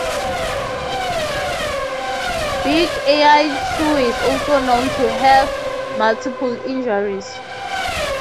Big Al Two is also known to have multiple injuries.